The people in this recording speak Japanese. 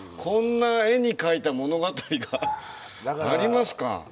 こんな絵に描いた物語がありますか？